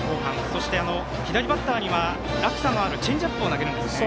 そして左バッターには落差のあるチェンジアップを投げるんですね。